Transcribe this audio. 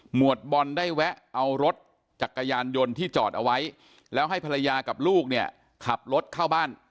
วดบอลได้แวะเอารถจักรยานยนต์ที่จอดเอาไว้แล้วให้ภรรยากับลูกเนี่ยขับรถเข้าบ้าน